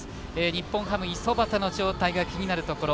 日本ハム、五十幡の状態が気になるところ。